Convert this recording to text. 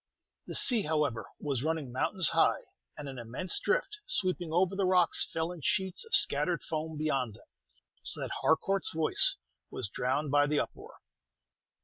The sea, however, was running mountains high, and an immense drift, sweeping over the rocks, fell in sheets of scattered foam beyond them; so that Harcourt's voice was drowned by the uproar.